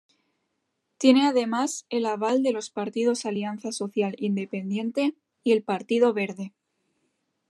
Tiene además el aval de los partidos Alianza Social Independiente y el Partido Verde.